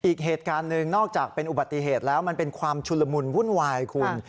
อีกเหตุการณ์หนึ่งนอกจากเป็นอุบัติเหตุแล้วมันเป็นความชุนละมุนวุ่นวายคุณ